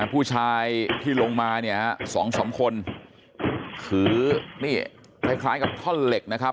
ผู้ชายที่ลงมาเนี่ย๒๓คนถือนี่คล้ายกับท่อนเหล็กนะครับ